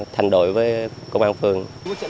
thành đội với công an phường